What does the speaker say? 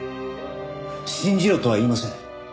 信じろとは言いません。